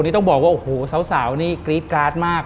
ต้องบอกว่าสาวนี่กรี๊ดกราศมาก